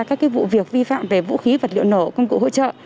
các vụ việc vi phạm về vũ khí vật liệu nổ công cụ hỗ trợ